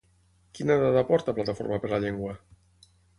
Quina dada aporta Plataforma per la Llengua?